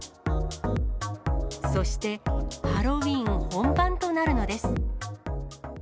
そして、ハロウィーン本番となるのです。